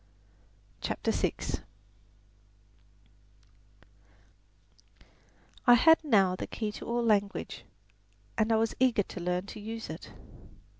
CHAPTER VI I had now the key to all language, and I was eager to learn to use it.